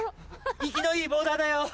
生きのいいボーダーだよ！